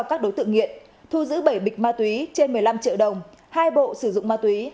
các đối tượng nghiện thu giữ bảy bịch ma túy trên một mươi năm triệu đồng hai bộ sử dụng ma túy